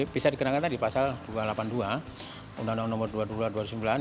bisa dikenakan tadi pasal dua ratus delapan puluh dua undang undang nomor dua puluh dua dua ribu sembilan